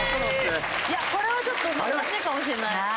いやこれはちょっと難しいかもしれない。